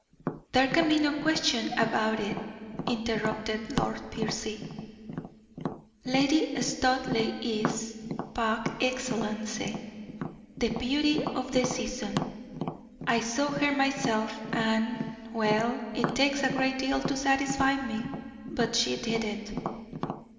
"There can be no question about it," interrupted Lord Piercy; "Lady Studleigh is, par excellence, the beauty of the season. I saw her myself, and well, it takes a great deal to satisfy me, but she did it."